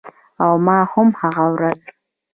او ما هم هغه ورځ